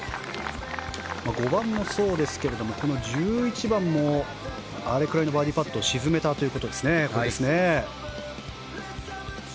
５番もそうでしたが１１番もあれくらいのバーディーパットを沈めたということですね。